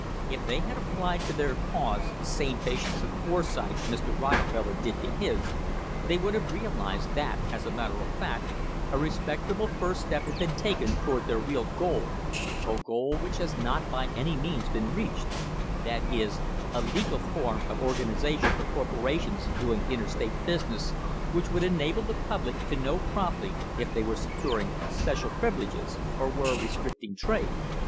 If they had applied to their cause the same patience and foresight Mr. Rockefeller did to his, they would have realised that, as a matter of fact, a respectable first step had been taken toward their real goal, a goal which has not by any means been reached that is, a legal form of organisation for corpo rations doing interstate business which would enable the pub THE HISTORY OF THE STANDARD OIL COMPANY lie to know promptly if they were securing special privileges or were restricting trade.